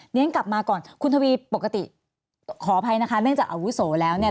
เรียนกลับมาก่อนคุณทวีปกติขออภัยนะคะเนื่องจากอาวุโสแล้วเนี่ย